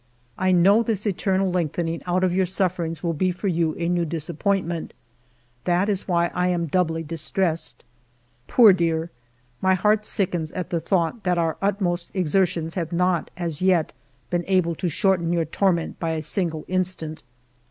I know this eternal lengthening out of your sufferings will be for you a new disappointment, — that is why I am doubly distressed. ... Poor dear ! my heart sickens at the thought that our utmost exertions have not as yet been able to shorten your torment by a single instant.